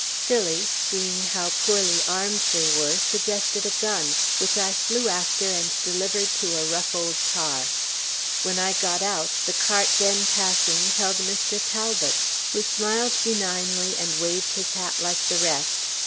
Phillie, seeing how poorly armed they were, suggested a gun, which I flew after and delivered to a rough old tar. When I got out, the cart then passing held Mr. Talbot, who smiled benignly and waved his hat like the rest.